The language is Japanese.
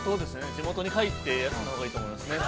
地元に帰って、休んだほうがいいと思いますね。